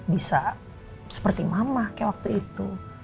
bisa seperti mama kayak waktu itu